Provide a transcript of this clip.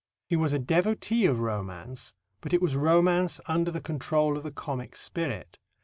He was a devotee of romance, but it was romance under the control of the comic spirit.